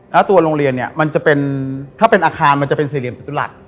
แล้วตัวโรงเรียนเนี่ยมันจะเป็นถ้าเป็นอาคารมันจะเป็นสี่เหลี่ยจตุรัส